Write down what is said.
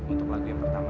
untuk lagu yang pertama